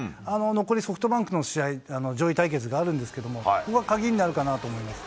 残り、ソフトバンクの試合、上位対決があるんですけども、ここが鍵になるかなと思います。